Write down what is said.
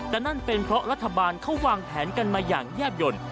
แต่นั่นเป็นเพราะรัฐบาลเขาวางแผนกันมาอย่างแยบยนต์